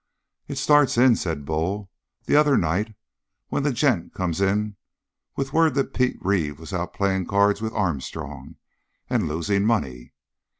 "It starts in," said Bull, "the other night when the gent come in with word that Pete Reeve was out playing cards with Armstrong and losing money.